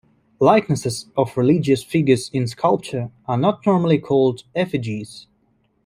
Likenesses of religious figures in sculpture are not normally called effigies.